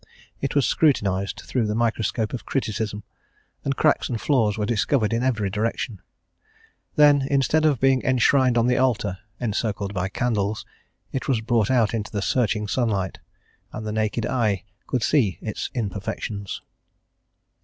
It was scrutinised through the microscope of criticism, and cracks and flaws were discovered in every direction; then, instead of being enshrined on the altar, encircled by candles, it was brought out into the searching sunlight, and the naked eye could see its imperfections.